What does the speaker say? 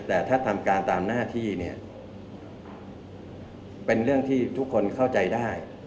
แต่ถ้าทำการตามหน้าที่เนี่ยเป็นเรื่องที่ทุกคนเข้าใจได้